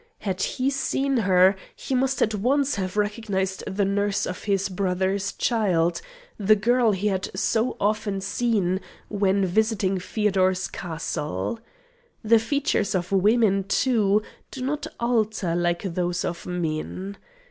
Had he seen her, he must at once have recognised the nurse of his brother's child the girl he had so often seen when visiting Feodor's castle. The features of women, too, do not alter like those of men.